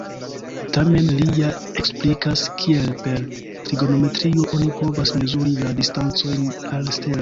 Tamen, li ja eksplikas, kiel per trigonometrio oni povas mezuri la distancojn al stelo.